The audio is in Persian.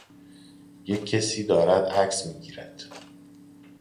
یک کسی دارد عکس می گیرد.